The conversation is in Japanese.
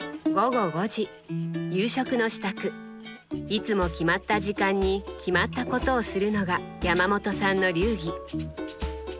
いつも決まった時間に決まったことをするのが山本さんの流儀。